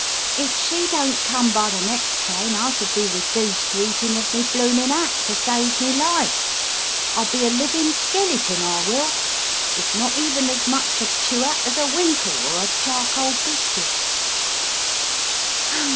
"If she don't come by the next train I shall be redooced Which Introduces a New Friend 5 to eating of me bloomin' 'at to save me life! I'll be a living skeleton, I will, with not even as much to chew at as a winkle or a charcoal biscuit.